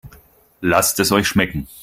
Lasst es euch schmecken!